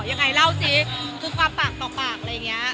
ยังไงเล่าสิคือความปากต่อปากอะไรอย่างนี้